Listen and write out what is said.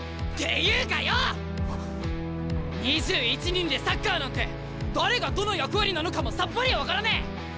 ２１人でサッカーなんて誰がどの役割なのかもさっぱり分からねえ！